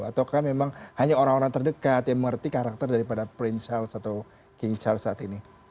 atau kan memang hanya orang orang terdekat yang mengerti karakter daripada prince charles atau king charles saat ini